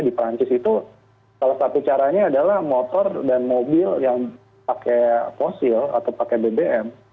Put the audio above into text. di perancis itu salah satu caranya adalah motor dan mobil yang pakai fosil atau pakai bbm